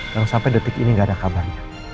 yang sampai detik ini gak ada kabarnya